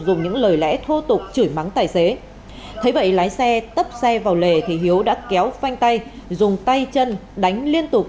dùng những lời lẽ thô tục chửi mắng tài xế thấy vậy lái xe tấp xe vào lề thì hiếu đã kéo phanh tay dùng tay chân đánh liên tục